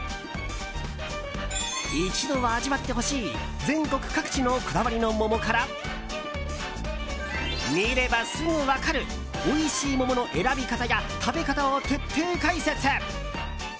一度は味わってほしい全国各地のこだわりの桃から見ればすぐ分かるおいしい桃の選び方や食べ方を徹底解説。